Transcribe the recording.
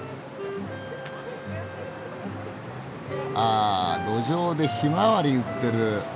あ路上でひまわり売ってる。